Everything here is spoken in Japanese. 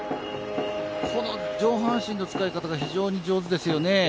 上半身の使い方が非常に上手ですよね。